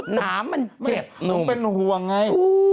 หนามันเจ็บหนุ่มหนุ่มเป็นห่วงไง